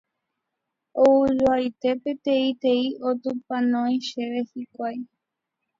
Oujoaite peteĩteĩ otupãnói chéve hikuái.